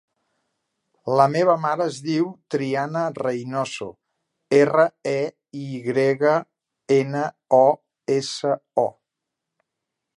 La meva mare es diu Triana Reynoso: erra, e, i grega, ena, o, essa, o.